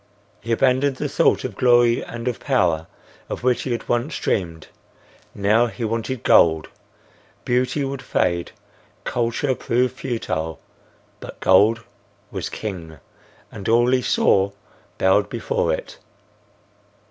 He abandoned the thought of glory and of power, of which he had once dreamed. Now he wanted gold. Beauty would fade, culture prove futile; but gold was king, and all he saw bowed before it.